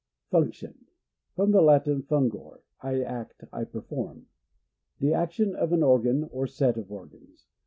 Function. — From the Latin, fungor I act, I perform. The action of an organ or set of organs.